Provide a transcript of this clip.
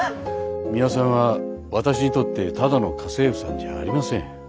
ミワさんは私にとってただの家政婦さんじゃありません。